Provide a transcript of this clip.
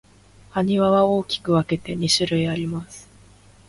埴輪は大きく分けて二種類あります。